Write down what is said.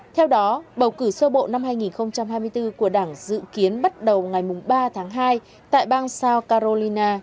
theo đó bầu cử sơ bộ năm hai nghìn hai mươi bốn của đảng dự kiến bắt đầu ngày ba tháng hai tại bang south carolina